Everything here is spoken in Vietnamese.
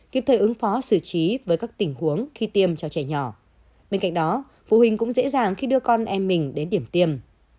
kịp thời ứng phó xử trí với các tình huống khi tiêm cho trẻ nhỏ bên cạnh đó phụ huynh cũng dễ dàng khi đưa con em mình đến điểm tiêm